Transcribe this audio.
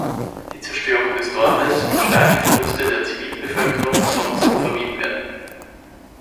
Die Zerstörung des Dorfes und starke Verluste der Zivilbevölkerung konnten so vermieden werden.